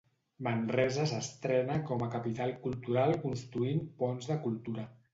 Manresa s'estrena com a capital cultural construint "ponts de cultura".